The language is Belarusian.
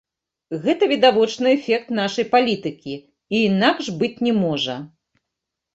Гэта відавочны эфект нашай палітыкі, і інакш быць не можа.